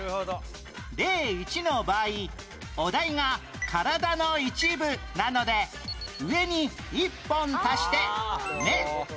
例１の場合お題が「体の一部」なので上に１本足して「目」